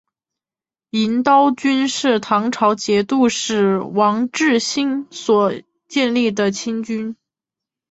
银刀军是唐朝节度使王智兴所建立的亲军。